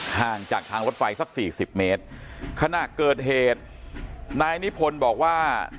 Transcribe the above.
ห่างจากทางรถไฟสักสี่สิบเมตรขณะเกิดเหตุนายนิพนธ์บอกว่า